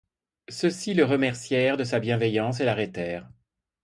Ceux-ci le remercièrent de sa bienveillance et l'arrêtèrent.